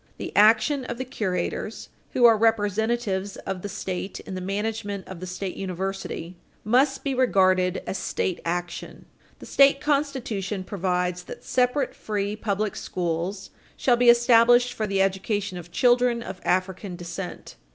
The action of the curators, who are representatives of the State in the management of the state university (R.S.Mo. § 9625), must be regarded as state action. [Footnote 1] The state constitution provides that separate free public schools shall be established for the education of children of African descent (Art.